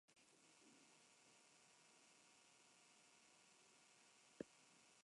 Orbegoso, indeciso al principio, terminó por plegarse a dicha causa.